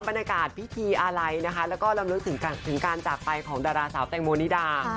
บรรยากาศพิธีอะไรนะคะแล้วก็ลำลึกถึงการจากไปของดาราสาวแตงโมนิดา